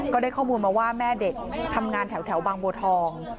ก็ได้ข้อมูลมาว่าแม่เด็กทำงานแถวบางบัวทอง